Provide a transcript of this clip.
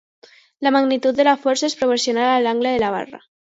La magnitud de la força és proporcional a l'angle de la barra.